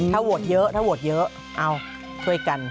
ถ้าโหวตเยอะเอาสวยกัน